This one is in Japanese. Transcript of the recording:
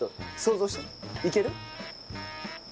いける？